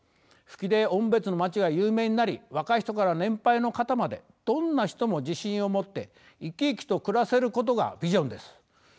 蕗で音別の町が有名になり若い人から年配の方までどんな人も自信を持って生き生きと暮らせることがビジョンです。